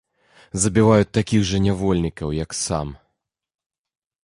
Забіваю такіх жа нявольнікаў, як сам.